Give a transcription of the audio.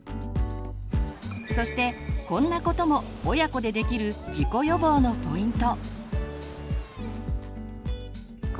そしてこんなことも親子でできる事故予防のポイント。